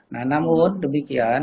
nah namun demikian